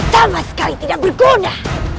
sama sekali tidak berguna